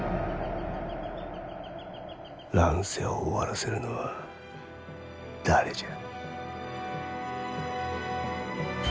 乱世を終わらせるのは誰じゃ。